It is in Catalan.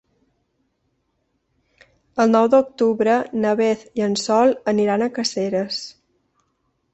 El nou d'octubre na Beth i en Sol aniran a Caseres.